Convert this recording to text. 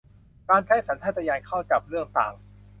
การใช้สัญชาตญาณเข้าจับเรื่องต่าง